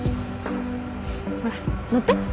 ほら乗って。